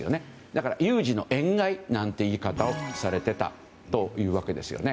だから、有事の円買いという言い方もされていたわけです。